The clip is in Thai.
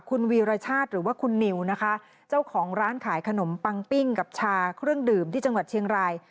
คุณวีรชาติหรือว่าคุณนิวนะคะเจ้าของร้านขายขนมปังปิ้งกับชาเครื่องดื่มที่จังหวัดเชียงราย